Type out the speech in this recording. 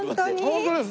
本当です。